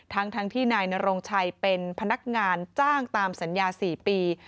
ทั้งที่นายนโรงชัยเป็นพนักงานจ้างตามสัญญา๔ปี